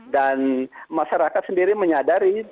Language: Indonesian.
dan masyarakat sendiri menyadari